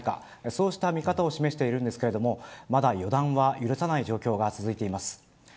そうした見方を示していますがまだ予断は許さない状況が続いています。